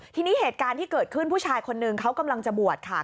ทีนี้เหตุการณ์ที่เกิดขึ้นผู้ชายคนนึงเขากำลังจะบวชค่ะ